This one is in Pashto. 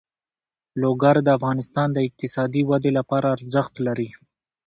لوگر د افغانستان د اقتصادي ودې لپاره ارزښت لري.